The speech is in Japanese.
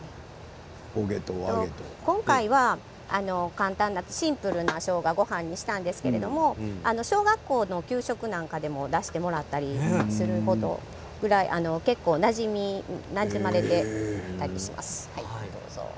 今回はシンプルなしょうがごはんにしたんですけど小学校の給食なんかでも出してもらったりすることがあるぐらいなじまれているものです。